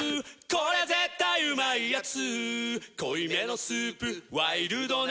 これ絶対うまいやつ」